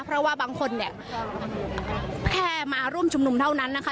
เพราะว่าบางคนเนี่ยแค่มาร่วมชุมนุมเท่านั้นนะคะ